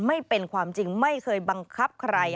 ไม่เป็นความจริงไม่เคยบังคับใคร